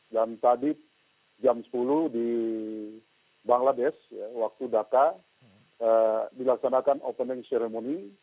dan tadi jam sepuluh di bangladesh waktu dhaka dilaksanakan opening ceremony